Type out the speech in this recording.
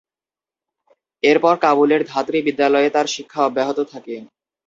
এরপর কাবুলের ধাত্রী বিদ্যালয়ে তার শিক্ষা অব্যাহত থাকে।